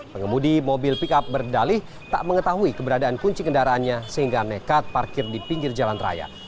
pengemudi mobil pick up berdalih tak mengetahui keberadaan kunci kendaraannya sehingga nekat parkir di pinggir jalan raya